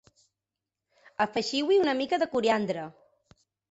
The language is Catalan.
Afegiu-hi una mica de coriandre.